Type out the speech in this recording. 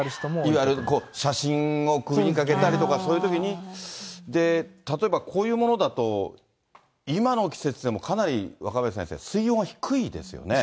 いわゆる写真を首に掛けたりとか、そういうときに、例えばこういうものだと、今の季節でもかなり若林先生、水温が低いですよね。